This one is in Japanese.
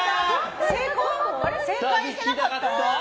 正解してなかった？